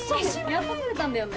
やっと来れたんだよね。